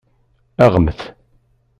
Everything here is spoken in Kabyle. Aɣemt!